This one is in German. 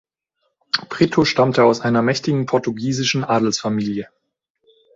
Britto stammte aus einer mächtigen portugiesischen Adelsfamilie.